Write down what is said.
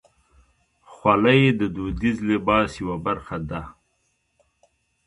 خولۍ د دودیز لباس یوه برخه ده.